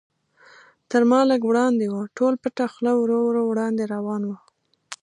تر ما لږ وړاندې و، ټول پټه خوله ورو ورو وړاندې روان و.